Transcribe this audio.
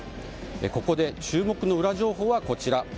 ここで、注目のウラ情報はこちら。